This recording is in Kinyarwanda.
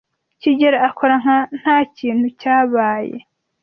kigeli akora nka ntakintu cyabaye.